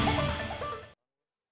nah terima kasih